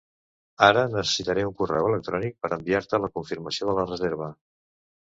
Ara necessitaré un correu electrònic per enviar-te la confirmació de la reserva.